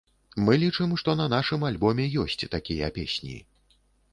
Мы лічым, што на нашым альбоме ёсць такія песні.